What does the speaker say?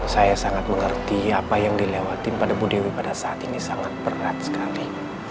saya sangat mengerti apa yang dilewati pada bu dewi pada saat ini sangat berat sekali